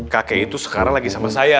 kakek itu sekarang lagi sama saya